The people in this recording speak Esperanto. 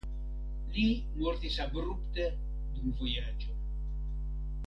Li mortis abrupte dum vojaĝo.